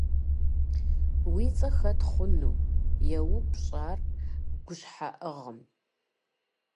– Уи цӀэр хэт хъуну? – йоупщӀ ар гущхьэӀыгъым.